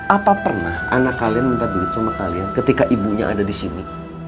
apa pernah anak kalian minta duit sama kalian ketika ibunya ada di sini